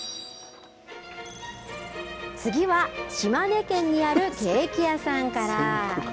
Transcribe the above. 次は島根県にあるケーキ屋さんから。